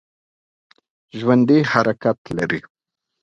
ژوندي حرکت لري